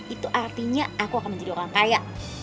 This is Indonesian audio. itu artinya aku akan menjadi orang kaya